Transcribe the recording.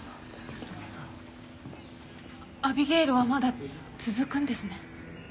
アビゲイルはまだ続くんですね。